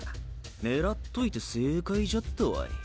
狙っといて正解じゃったわい。